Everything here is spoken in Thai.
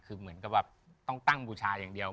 คือเหมือนก็แบบต้องตั้งผู้ชายอย่างเดียว